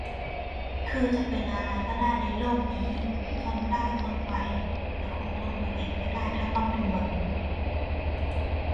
คือจะเป็นอะไรก็ได้ในโลกนี้ ทนได้ ทนไหว แต่คงทนตัวเองไม่ได้ถ้าต้องเป็นมึง